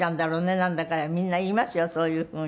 なんだかんだ言いますよそういうふうに。